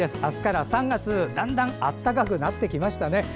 あすから３月、だんだん暖かくなってきましたね。